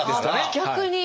逆に？